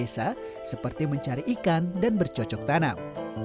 desa seperti mencari ikan dan bercocok tanam